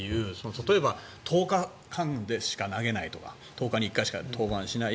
例えば１０日間でしか投げないとか１０日に１回しか登板しない。